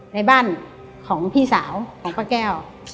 ในบ้านของพี่สาวของป้าแก้ว